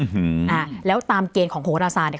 อื้อหืออ่าแล้วตามเกณฑ์ของโฮราซาเนี่ย